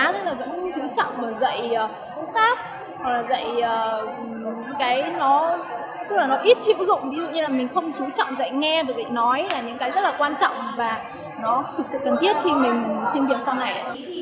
nó vẫn chú trọng dạy phương pháp dạy những cái nó ít hữu dụng ví dụ như là mình không chú trọng dạy nghe và dạy nói là những cái rất là quan trọng và nó thực sự cần thiết khi mình sinh viên sau này